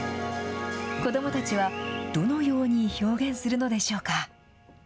子どもたちはどのように表現するのでしょうか。